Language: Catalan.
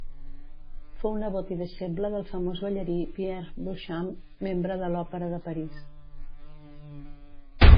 Fou nebot i deixeble del famós ballarí Pierre Beauchamp, membre de l'Òpera de París.